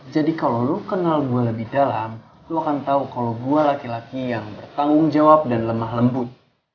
jadi kalau lo kenal gue lebih dalam lo akan tahu kalau gue laki laki yang bertanggung jawab dan lemah lembut